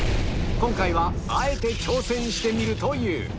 今回はあえて挑戦してみるという